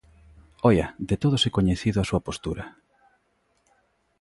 ¡Oia!, de todos é coñecido a súa postura.